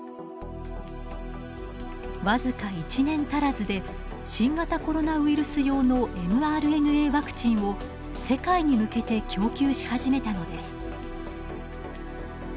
わずか１年足らずで新型コロナウイルス用のｍＲＮＡワクチンを世界に向けて供給し始めたのです。